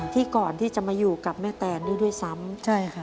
ที่ก่อนที่จะมาอยู่กับแม่แตนด้วยด้วยซ้ำ